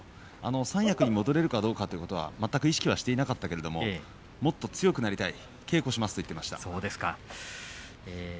三役に戻れるかということは全く意識していなかったけれどももっと強くなりたい稽古しますと言っていました。